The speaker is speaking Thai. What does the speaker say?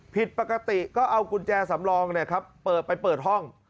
ผิดปกติก็เอากุญแจสำรองเปิดไปเปิดห้อง